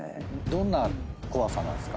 どんな怖さなんすか？